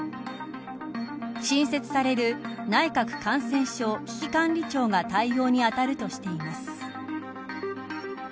新設される内閣感染症危機管理庁が対応に当たるとしています。